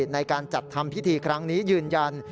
ในการจัดทำพิธีครั้งนี้ยืนยัน